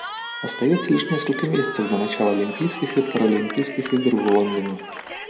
Остается лишь несколько месяцев до начала Олимпийских и Паралимпийских игр в Лондоне.